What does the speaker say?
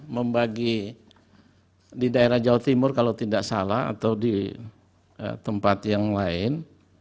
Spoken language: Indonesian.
membagi di daerah jawa timur kalau tidak salah atau di tempat yang lain